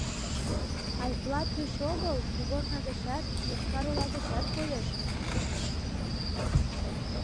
Айплат гыч огыл, кугорно гычат, Йошкар-Ола гычат коеш.